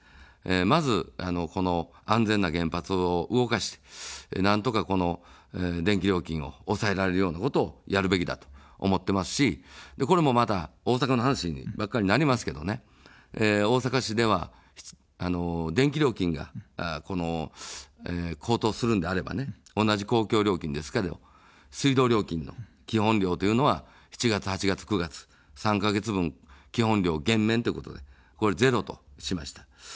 まず、この安全な原発を動かして、なんとかこの電気料金を抑えられるようなことをやるべきだと思ってますし、これもまた大阪の話ばかりになりますけどね、大阪市では、電気料金が、この高騰するのであれば、同じ公共料金ですけれども水道料金の基本料というのは７月、８月、９月、３か月分基本料減免としてこれゼロとしました。